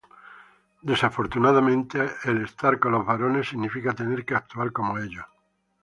Desafortunadamente, el estar con los varones significa tener que actuar como ellos.